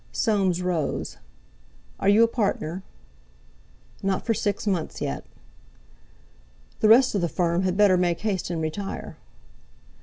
Soames rose. "Are you a partner?" "Not for six months, yet." "The rest of the firm had better make haste and retire."